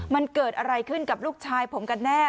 มันเกิดอะไรขึ้นกับลูกชายผมกันแน่